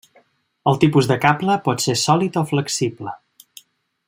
El tipus de cable pot ser sòlid o flexible.